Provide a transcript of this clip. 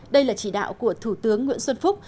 đây là chỉ đạo của thủ tướng nguyễn xuân phúc